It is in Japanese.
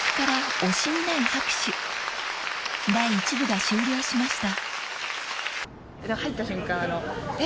［第一部が終了しました］